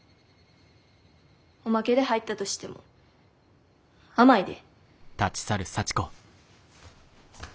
おまけで入ったとしても甘いで。